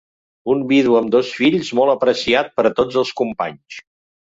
Un vidu amb dos fills molt apreciat per tots els companys.